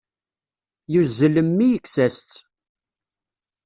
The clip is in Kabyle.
Yuzzel mmi yekkes-as-tt.